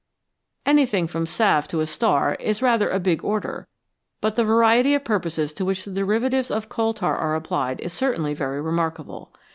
"Anything from a salve to a star" is rather a big order, but the variety of purposes to which the derivatives of coal tar are applied is certainly very remarkable.